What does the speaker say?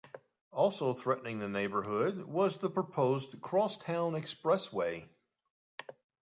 Also threatening the neighborhood was the proposed Crosstown Expressway.